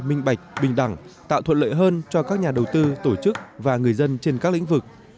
minh bạch bình đẳng tạo thuận lợi hơn cho các nhà đầu tư tổ chức và người dân trên các lĩnh vực